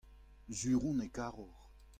sur on e karor.